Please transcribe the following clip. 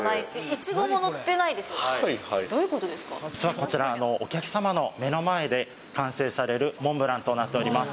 実はこちら、お客様の目の前で完成されるモンブランとなっております。